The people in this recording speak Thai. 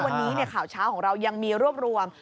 วันนี้ข่าวเช้าของเรายังมีรวบรวม